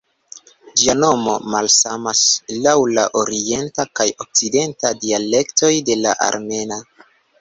Ĝia sono malsamas laŭ la orienta kaj okcidenta dialektoj de la armena.